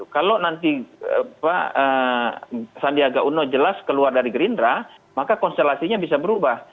kalau nanti sandiaga uno jelas keluar dari gerindra maka konstelasinya bisa berubah